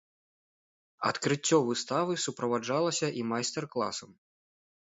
Адкрыццё выставы суправаджалася і майстар-класам.